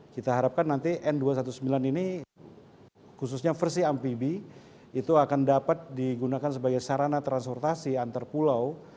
kita harapkan nanti n dua ratus sembilan belas ini khususnya versi amfibi itu akan dapat digunakan sebagai sarana transportasi antar pulau